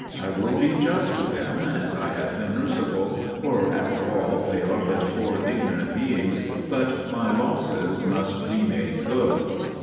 I will be just to them, as I have been merciful, for, after all, they are but poor ignorant beings, but my losses must be made good.